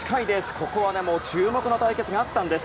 ここでも注目の対決があったんです。